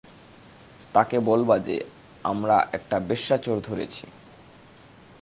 তাকে বলবা যে আমারা একটা বেশ্যা চোর ধরেছি।